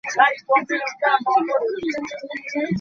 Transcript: In this way, the siege on Fancheng would automatically be lifted.